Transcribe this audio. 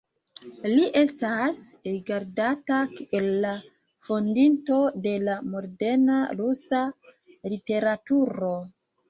Li estas rigardata kiel la fondinto de la moderna rusa literaturo.